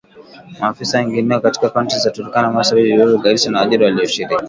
maafisa wengineo katika Kaunti za Turkana Marsabit Isiolo Garissa na Wajir walioshiriki